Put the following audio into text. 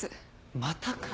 またかよ。